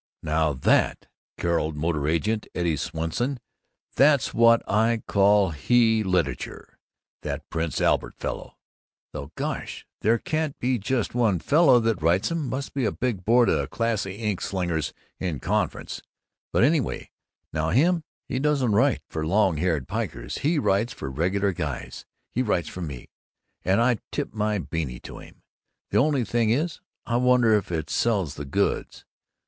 _" "Now that," caroled the motor agent, Eddie Swanson, "that's what I call he literature! That Prince Albert fellow though, gosh, there can't be just one fellow that writes 'em; must be a big board of classy ink slingers in conference, but anyway: now, him, he doesn't write for long haired pikers, he writes for Regular Guys, he writes for me, and I tip my benny to him! The only thing is: I wonder if it sells the goods?